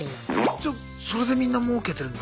じゃそれでみんなもうけてるんだ。